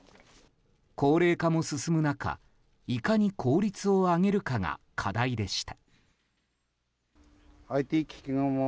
高齢化も進む中、いかに効率を上げるかが課題でした。